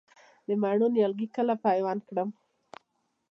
د مڼو نیالګي کله پیوند کړم؟